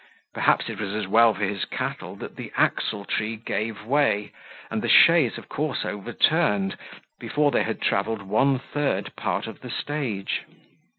Perhaps it was well for his cattle that the axletree gave way and the chaise of course overturned, before they had travelled one third part of the stage.